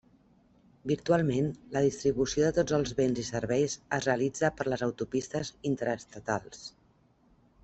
Virtualment, la distribució de tots els béns i serveis es realitza per les autopistes interestatals.